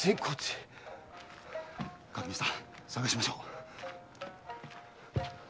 垣見さん捜しましょう。